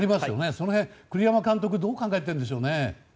その辺、栗山監督はどう考えているんでしょうか。